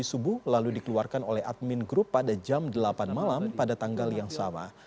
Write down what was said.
subuh lalu dikeluarkan oleh admin group pada jam delapan malam pada tanggal yang sama